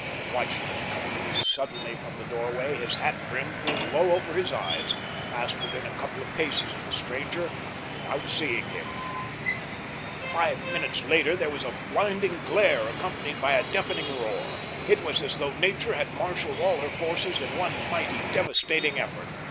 The watchman, coming suddenly from the doorway, his hat brim pulled low over his eyes, passed within a couple of paces of the stranger without seeing him. Five minutes later there was a blinding glare accompanied by a deafening roar. It was as though nature had marshaled all her forces in one mighty, devastating effort.